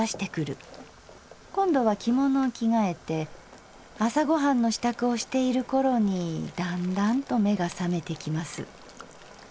今度は着物を着替えて朝ご飯の支度をしているころにだんだんと目が覚めてきます。